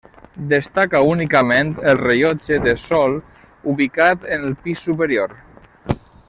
Destaca únicament el rellotge de sol ubicat en el pis superior.